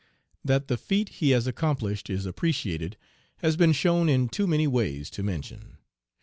That the 'feat' he has accomplished is appreciated has been shown in too many ways to mention.